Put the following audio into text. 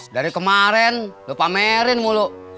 dari kemarin lu pamerin mulu